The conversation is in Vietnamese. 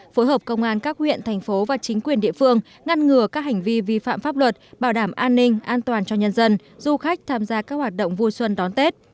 phối hợp công an các huyện thành phố và chính quyền địa phương ngăn ngừa các hành vi vi phạm pháp luật bảo đảm an ninh an toàn cho nhân dân du khách tham gia các hoạt động vui xuân đón tết